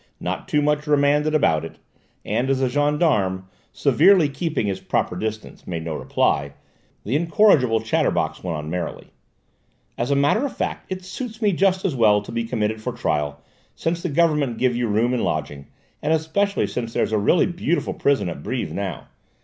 Not too much 'remanded' about it," and as the gendarme, severely keeping his proper distance, made no reply, the incorrigible chatterbox went on merrily: "As a matter of fact it suits me just as well to be committed for trial, since the government give you your board and lodging, and especially since there's a really beautiful prison at Brives now."